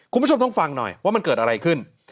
คุณผู้ชมต้องฟังหน่อยว่ามันเกิดอะไรขึ้น